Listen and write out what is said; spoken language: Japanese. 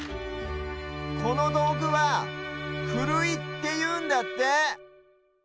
このどうぐは「ふるい」っていうんだって。